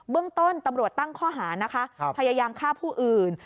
เรื่องต้นตำรวจตั้งข้อหานะคะพยายามฆ่าผู้อื่น